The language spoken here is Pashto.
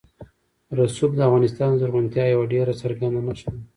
رسوب د افغانستان د زرغونتیا یوه ډېره څرګنده نښه ده.